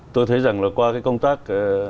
tôi thấy rằng là qua cái công tác